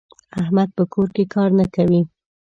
احمد په کور کې کار نه کوي.